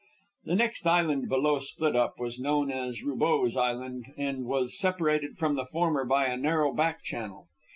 The next island below Split up was known as Roubeau's Island, and was separated from the former by a narrow back channel.